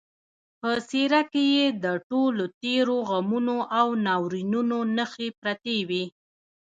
په څېره کې یې د ټولو تېرو غمونو او ناورینونو نښې پرتې وې